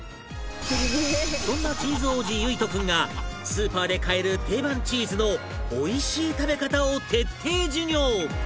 そんなチーズ王子優惟人君がスーパーで買える定番チーズのおいしい食べ方を徹底授業